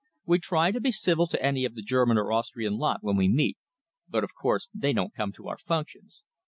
We try to be civil to any of the German or Austrian lot when we meet, but of course they don't come to our functions.